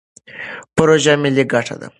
پروژه ملي ګټه ده.